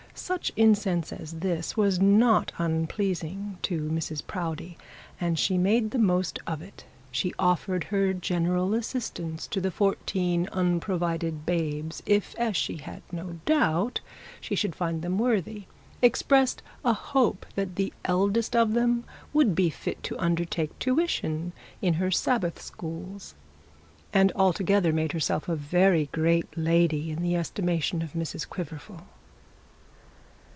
Such incense as this was not unpleasing to Mrs Proudie, and she made the most of it. She offered her general assistance to the fourteen unprovided babes, if, as she had no doubt, she should find them worthy; expressed a hope that the eldest of them would be fit to undertake tuition in her Sabbath schools, and altogether made herself a very great lady in the estimation of Mrs Quiverful.